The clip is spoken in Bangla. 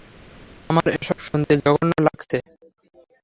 আমার এসব শুনতে জঘন্য লাগছে।